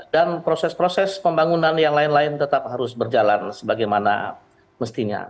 dan proses proses pembangunan yang lain lain tetap harus berjalan sebagaimana mestinya